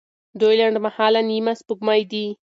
دوی لنډمهاله نیمه سپوږمۍ دي.